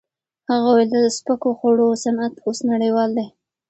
هغه وویل د سپکو خوړو صنعت اوس نړیوال دی.